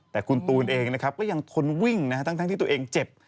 แต่คุณตูนยังทนวิ่งตั้งที่ตัวเองเจ็บ